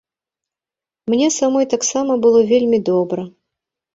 Мне самой таксама было вельмі добра.